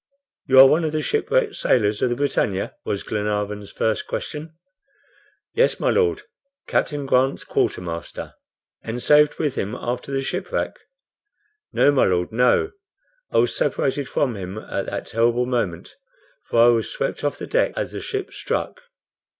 "You are one of the shipwrecked sailors of the BRITANNIA?" was Glenarvan's first question. "Yes, my Lord; Captain Grant's quartermaster." "And saved with him after the shipwreck?" "No, my Lord, no. I was separated from him at that terrible moment, for I was swept off the deck as the ship struck."